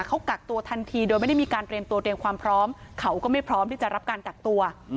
เขากักตัวทันทีโดยไม่ได้มีการเตรียมตัวเตรียมความพร้อมเขาก็ไม่พร้อมที่จะรับการกักตัว